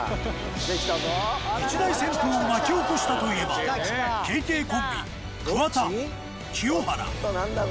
一大旋風を巻き起こしたといえばＫＫコンビ桑田清原。